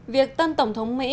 việc tân tổng thống mỹ